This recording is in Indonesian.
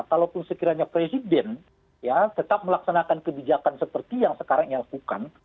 kalaupun sekiranya presiden tetap melaksanakan kebijakan seperti yang sekarang ia lakukan